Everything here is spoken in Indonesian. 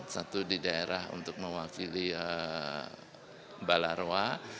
satu di daerah untuk mewakili balarwa